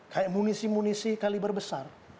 kayak munisi munisi kaliber besar